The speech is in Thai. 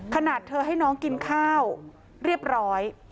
ขนาดเธอให้น้องกินข้าวเรียบร้อย